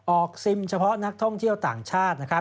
ออกซิมเฉพาะนักท่องเที่ยวต่างชาติ